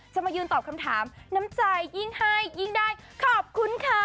มายืนตอบคำถามน้ำใจยิ่งให้ยิ่งได้ขอบคุณค่ะ